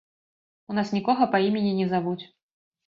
У нас нікога па імені не завуць.